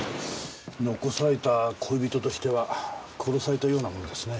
残された恋人としては殺されたようなものですね。